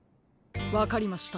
わかりました。